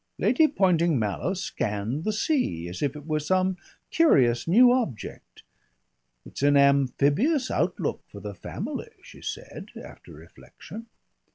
Lady Poynting Mallow scanned the sea as if it were some curious new object. "It's an amphibious outlook for the family," she said after reflection.